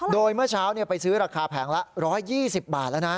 โดยเมื่อเช้าไปซื้อราคาแผงละ๑๒๐บาทแล้วนะ